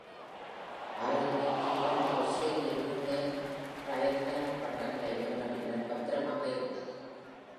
அவரது வெற்றி, இரண்டு ஆஸ்திரேலிய ஜூனியர் டிரையத்லான் பட்டங்களை வென்ற பின்னர் பத்திரமாக இருந்தது.